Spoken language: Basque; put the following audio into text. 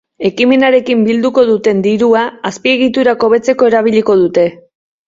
Ekimenarekin bilduko duten dirua azpiegiturak hobetzeko erabiliko dute.